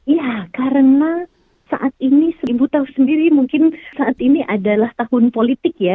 ya karena saat ini seribu tahun sendiri mungkin saat ini adalah tahun politik ya